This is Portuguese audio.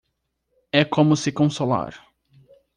É como se consolar.